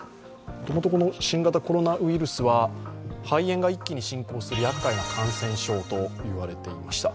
新型コロナウイルスは肺炎が一気に進行するやっかいな感染症と言われていました。